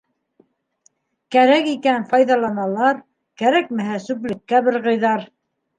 Кәрәк икән - файҙаланалар, кәрәкмәһә - сүплеккә бырғайҙар.